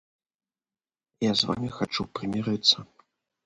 Я з вамі хачу прымірыцца.